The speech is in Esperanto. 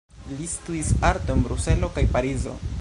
Li studis arto en Bruselo kaj Parizo.